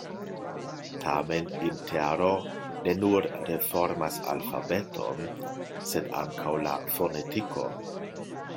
Tamen Intero ne nur reformas alfabeton, sed ankaŭ la fonetikon.